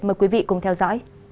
mời quý vị cùng theo dõi